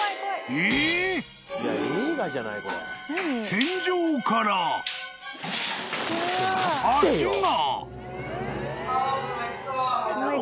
［天井から足が］